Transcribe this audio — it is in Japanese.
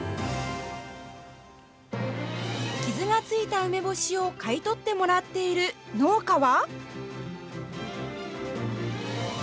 傷がついた梅干しを買い取ってもらっている農家は。